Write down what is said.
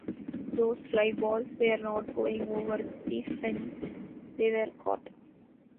Those fly balls were not going over the fence, they were caught.